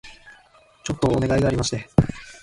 ちょっとお願いがありまして